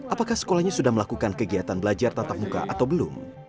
apakah sekolahnya sudah melakukan kegiatan belajar tatap muka atau belum